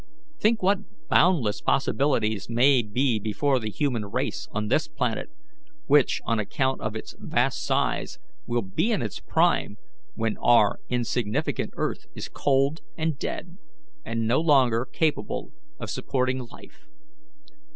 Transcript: Think what boundless possibilities may be before the human race on this planet, which on account of its vast size will be in its prime when our insignificant earth is cold and dead and no longer capable of supporting life!